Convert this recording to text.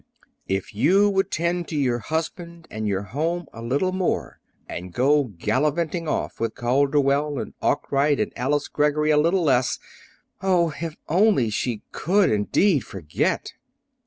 If you would tend to your husband and your home a little more, and go gallivanting off with Calderwell and Arkwright and Alice Greggory a little less " Oh, if only she could, indeed, forget!